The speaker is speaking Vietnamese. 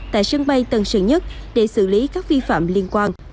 tại sân bay tân sơn nhất để xử lý các vi phạm liên quan